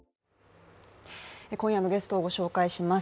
今夜のゲストをご紹介します。